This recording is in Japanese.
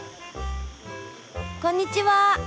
こんにちは。